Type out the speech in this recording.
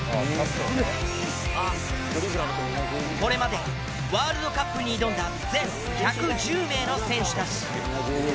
これまでワールドカップに挑んだ全１１０名の選手たち。